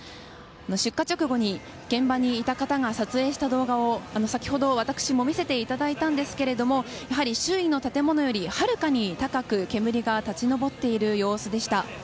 出火直後に現場にいた方が撮影した動画を先ほど私も見せていただいたんですけども周囲の建物よりはるかに高く煙が立ち上っている様子でした。